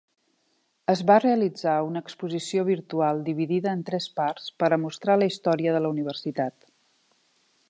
Es va realitzar una exposició virtual dividida en tres parts per a mostrar la història de la universitat.